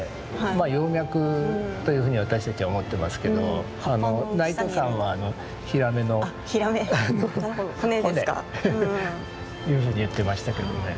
葉脈というふうに私たちは思ってますけど内藤さんはヒラメの骨というふうに言ってましたけどね。